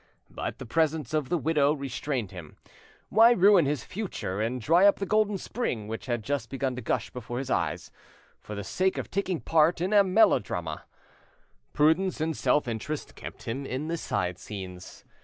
But the presence of the widow restrained him. Why ruin his future and dry up the golden spring which had just begun to gush before his eyes, for the sake of taking part in a melodrama? Prudence and self interest kept him in the side scenes.